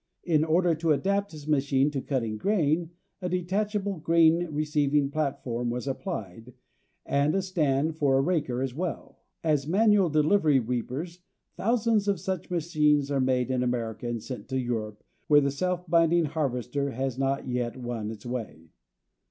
In order to adapt his machine to cutting grain, a detachable grain receiving platform was applied, and a stand for a raker as well. As "manual delivery reapers" thousands of such machines are made in America and sent to Europe, where the self binding harvester has not yet won its way.